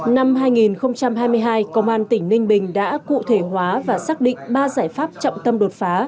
năm hai nghìn hai mươi hai công an tỉnh ninh bình đã cụ thể hóa và xác định ba giải pháp trọng tâm đột phá